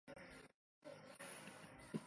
穆雷迪耶人口变化图示